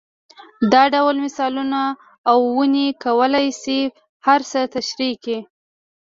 دا ډول مثالونه او ونې کولای شي هر څه تشرېح کړي.